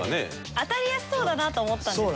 当たりやすそうだなと思ったんですよ